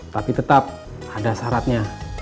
tapi tetap ada syaratnya